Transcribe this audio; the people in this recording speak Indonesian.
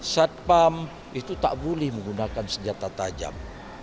satpam itu tak boleh menggunakan senjata tajam